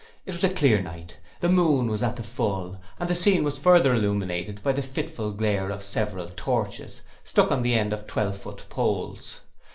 It was a clear night. The moon was at the full, and the scene was further illuminated by the fitful glare of several torches, stuck on the end of twelve foot poles.